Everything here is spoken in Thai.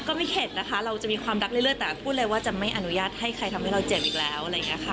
ไม่เข็ดนะคะเราจะมีความรักเรื่อยแต่พูดเลยว่าจะไม่อนุญาตให้ใครทำให้เราเจ็บอีกแล้วอะไรอย่างนี้ค่ะ